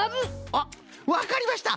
あっわかりました！